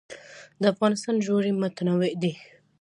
د افغانستان ژوي متنوع دي